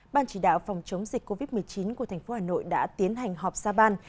ban chỉ đạo phòng chống dịch covid một mươi chín của thành phố hà nội đã tiến hành họp xa ban